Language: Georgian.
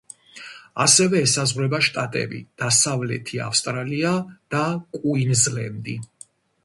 ასევე ესაზღვრება შტატები: დასავლეთი ავსტრალია და კუინზლენდი.